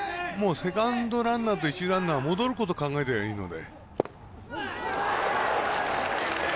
セカンドランナーと一塁ランナーは戻ること考えていればいいので。